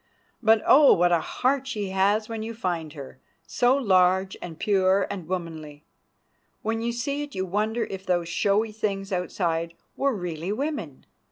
But, oh! what a heart she has when you find her—so large and pure and womanly. When you see it you wonder if those showy things outside were really women.